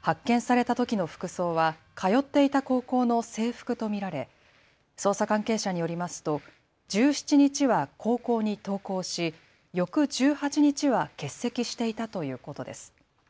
発見されたときの服装は通っていた高校の制服と見られ捜査関係者によりますと１７日は高校に登校し翌１８日は欠席していたということです。